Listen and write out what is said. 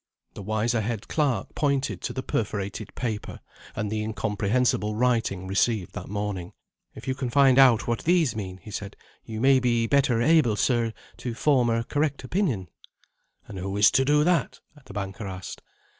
The wiser head clerk pointed to the perforated paper and the incomprehensible writing received that morning. "If we can find out what these mean," he said, "you may be better able, sir, to form a correct opinion." "And who is to do that?" the banker asked.